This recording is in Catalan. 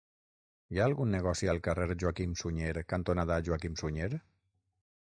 Hi ha algun negoci al carrer Joaquim Sunyer cantonada Joaquim Sunyer?